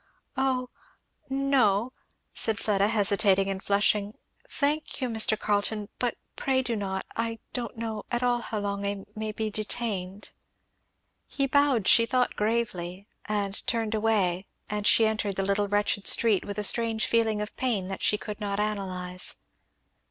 "O no," said Fleda hesitating and flushing, "thank you, Mr. Carleton, but pray do not I don't know at all how long I may be detained." He bowed, she thought gravely, and turned away, and she entered the little wretched street; with a strange feeling of pain that she could not analyze.